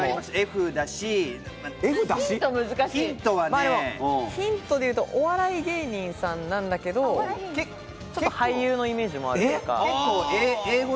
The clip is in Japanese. Ｆだし、ヒントでいうと、お笑い芸人さんなんだけど、俳優のイメージもあるというか。